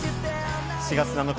７月７日